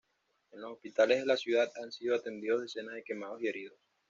En los hospitales de la ciudad han sido atendidos decenas de quemados y heridos.